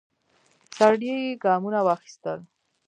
سړی ګامونه واخیستل.